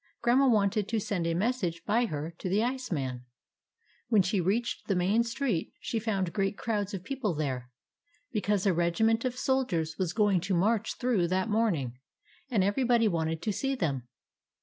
Grandma wanted to send a message by her to the ice man. When she reached the main street she found great crowds of people there, because a regiment of soldiers was going to march through that morning, and everybody wanted to see them.